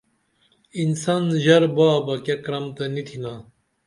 انسن ژر بابہ کیہ کرم تہ نی تھینا